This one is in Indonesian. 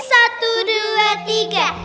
satu dua tiga